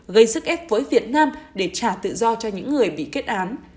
gây sức ép với việt nam để trả tự do cho những người bị kết án